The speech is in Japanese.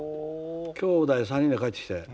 きょうだい３人で帰ってきて。